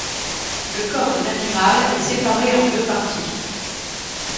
Le corps de l'animal est séparé en deux parties.